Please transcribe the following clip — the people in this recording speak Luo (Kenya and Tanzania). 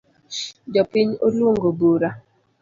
Jopiny oluongo bura